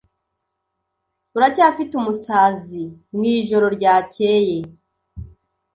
Uracyafite umusazi mwijoro ryakeye?